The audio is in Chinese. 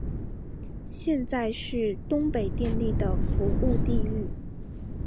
现在是东北电力的服务地域。